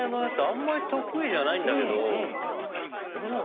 あんまり得意じゃないんだけど。